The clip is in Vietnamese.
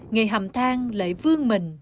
nghề hầm thang lại vương mình